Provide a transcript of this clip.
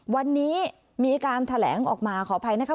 วันนี้มีการแถลงออกมาขออภัยนะคะ